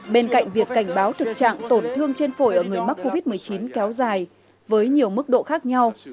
bên cạnh việc cảnh báo thực trạng tổn thương trên phổi ở người mắc covid một mươi chín kéo dài với nhiều mức độ khác nhau